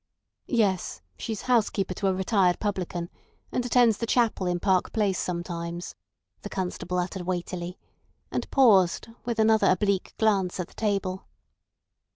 "Yes. She's housekeeper to a retired publican, and attends the chapel in Park Place sometimes," the constable uttered weightily, and paused, with another oblique glance at the table.